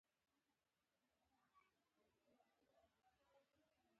د ټرانسپورټ سکتور پرمختګ د سوداګرۍ په پراختیا کې مرسته کوي.